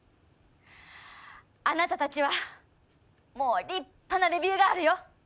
あなたたちはもう立派なレビューガールよ。